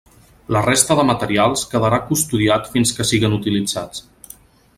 La resta de materials quedarà custodiat fins que siguen utilitzats.